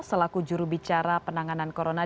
selaku jurubicara penanganan corona